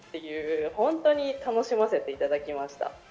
本当に楽しませていただきました。